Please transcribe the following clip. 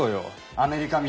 アメリカみたいに。